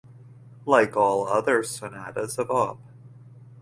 Like all other sonatas of Op.